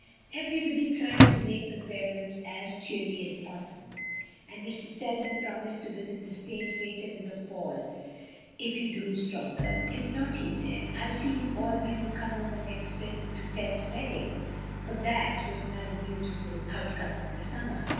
Everybody tried to make the farewells as cheery as possible, and Mr. Selden promised to visit the States later in the fall if he grew stronger. "If not," he said, "I'll see you all when you come over next spring to Ted's wedding" for that was another beautiful outcome of the summer.